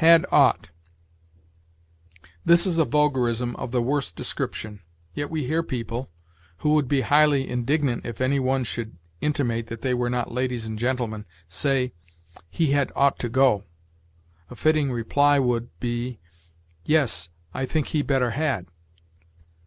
HAD OUGHT. This is a vulgarism of the worst description, yet we hear people, who would be highly indignant if any one should intimate that they were not ladies and gentlemen, say, "He had ought to go." A fitting reply would be, "Yes, I think he better had."